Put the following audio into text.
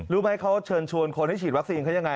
รู้ไหมเขาเชิญชวนคนให้ฉีดวัคซีนเขายังไง